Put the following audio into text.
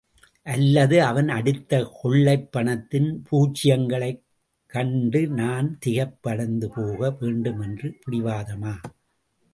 அல்லது அவன் அடித்த கொள்ளைப் பணத்தின் பூஜ்யங்களைக் சண்டு நான் திகைப்பு அடைந்து போக வேண்டும் என்ற பிடிவாதமா?